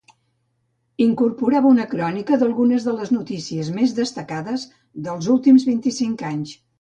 Incorporava una crònica d'algunes de les notícies més destacades dels últims vint-i-cinc anys.